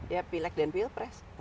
ya pilek dan pilpres